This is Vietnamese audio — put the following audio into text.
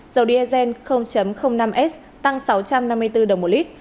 dầu diesel năm s tăng sáu trăm năm mươi bốn đồng một lít